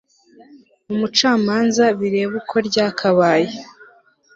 umucamanza bireba uko ryakabaye